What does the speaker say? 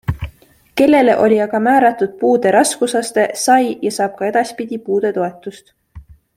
Kellele oli aga määratud puude raskusaste, sai ja saab ka edaspidi puudetoetust.